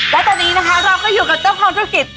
และตอนนี้นะคะเราก็อยู่กับเจ้าของธุรกิจ